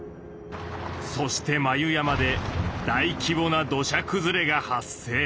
そして眉山で大規模な土砂くずれが発生。